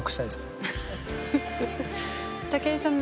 武井さん